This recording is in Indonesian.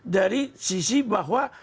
dari sisi bahwa